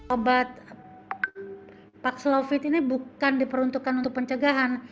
obat paxlovid ini bukan diperuntukkan untuk pencegahan